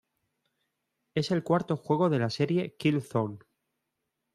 Es el cuarto juego de la serie "Killzone".